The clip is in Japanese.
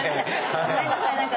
ごめんなさいなんかね。